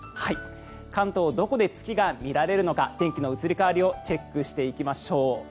関東、どこで月が見られるのか天気の移り変わりをチェックしていきましょう。